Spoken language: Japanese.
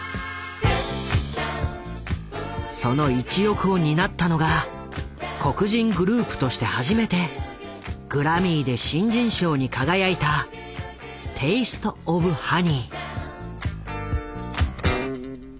その一翼を担ったのが黒人グループとして初めてグラミーで新人賞に輝いたテイスト・オブ・ハニー。